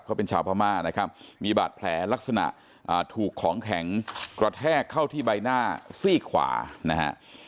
เขาเป็นชาวพม่านะครับมีบาดแผลลักษณะถูกของแข็งกระแทกเข้าที่ใบหน้าซี่ขวานะฮะ